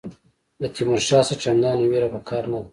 له تیمورشاه څخه چنداني وېره په کار نه ده.